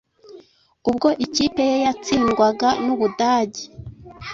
ubwo ikipe ye yatsindwaga n’Ubudage